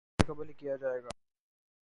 اعلان میچ سے قبل ہی کیا جائے گا